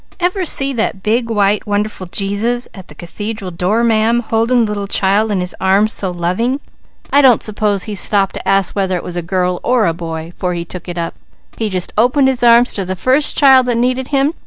Ever see that big, white, wonderful Jesus at the Cathedral door, ma'am, holding the little child in His arms so loving? I don't s'pose He stopped to ask whether it was a girl, or a boy, 'fore He took it up; He just opened his arms to the first child that needed Him.